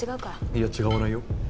いや違わないよ。